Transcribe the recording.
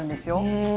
へえ。